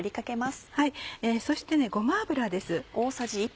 そしてごま油です。